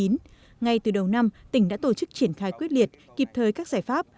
ngay từ đầu năm tỉnh đã tổ chức triển khai quyết liệt kịp thời các giải pháp